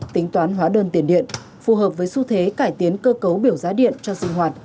tính toán hóa đơn tiền điện phù hợp với xu thế cải tiến cơ cấu biểu giá điện cho sinh hoạt